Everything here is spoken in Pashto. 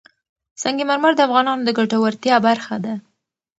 سنگ مرمر د افغانانو د ګټورتیا برخه ده.